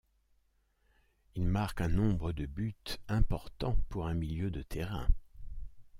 Il marque un nombre de buts importants pour un milieu de terrain.